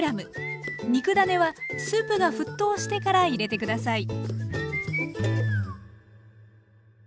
肉ダネはスープが沸騰してから入れて下さい。